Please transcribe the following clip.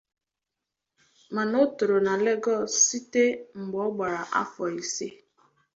Mana o toro na Lagos site mgbe ọ gbara afọ ise.